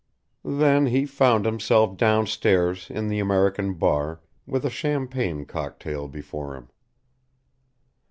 Then he found himself downstairs in the American bar, with a champagne cocktail before him.